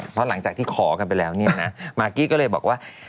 เพราะหลังจากที่ขอกันไปแล้วเนี่ยนะมากกี้ก็เลยบอกว่า